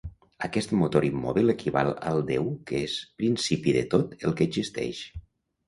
Aquest motor immòbil equival al déu que és principi de tot el que existeix.